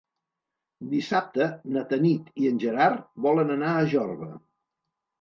Dissabte na Tanit i en Gerard volen anar a Jorba.